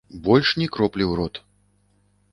Больш ні кроплі ў рот.